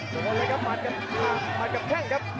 คนละครับมาดกันไปตามแข่งครับ